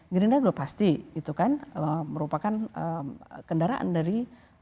gerindra itu udah pasti merupakan kendaraan dari